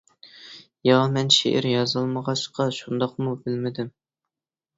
يا مەن شېئىر يازالمىغاچقا شۇنداقمۇ بىلمىدىم.